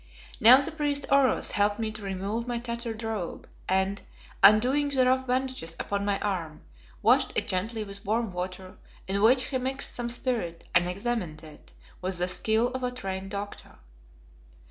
Now the priest Oros helped me to remove my tattered robe, and, undoing the rough bandages upon my arm, washed it gently with warm water, in which he mixed some spirit, and examined it with the skill of a trained doctor.